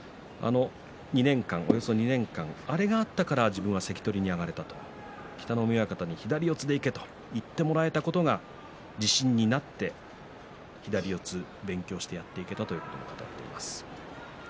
およそ２年間、あれがあったから自分が関取に上がれた北の湖親方に左四つでいけというふうに言ってもらえたことが自信になって左四つを勉強してやっていけたと話しています。